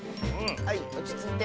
はいおちついて。